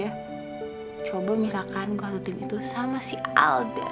ngapain sih gua harus tutim sama dia coba misalkan gua tutim itu sama si alden